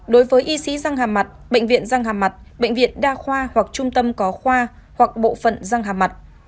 đối với y sĩ răng hà mặt bệnh viện răng hàm mặt bệnh viện đa khoa hoặc trung tâm có khoa hoặc bộ phận răng hà mặt